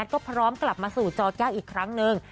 ก็พร้อมกลับมาสู่จอแก้วอีกครั้งหนึ่ง